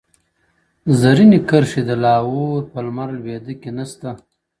زريني کرښي د لاهور په لمر لويده کي نسته ـ